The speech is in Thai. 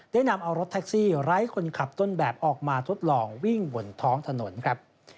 ได้นำเอารถแท็กซี่ไร้คนขับต้นแบบออกมาทดลองวิ่งบนท้องถนนครับ